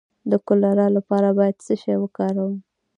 د کولرا لپاره باید څه شی وکاروم؟